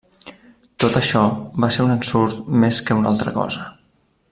Tot això va ser un ensurt més que una altra cosa.